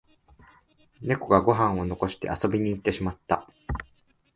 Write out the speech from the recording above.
ネコがご飯を残して遊びに行ってしまった